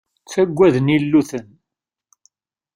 Ttagaden illuten.